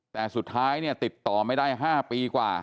แต่สุดท้ายเนี่ยติดต่อไม่ได้๕ปีกว่า